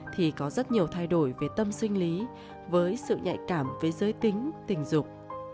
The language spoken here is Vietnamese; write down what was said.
thì có rất nhiều thay đổi về tâm sinh lý với sự nhạy cảm với giới tính tình dục